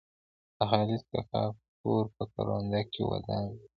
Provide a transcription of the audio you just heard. د خالد کاکا کور په کرونده کې ودان دی.